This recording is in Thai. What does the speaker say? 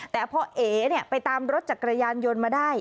แต่พอเอ๋ไปตามรถจักรยานยนต์มาได้